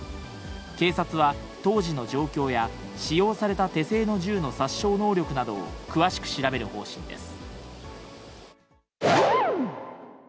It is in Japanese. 警察は、当時の状況や、使用された手製の銃の殺傷能力などを詳しく調べる方針です。